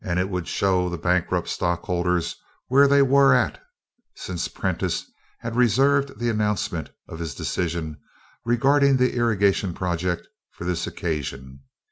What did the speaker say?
It would show the bankrupt stockholders where they were "at," since Prentiss had reserved the announcement of his decision regarding the irrigation project for this occasion.